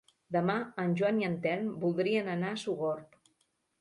Demà en Joan i en Telm voldrien anar a Sogorb.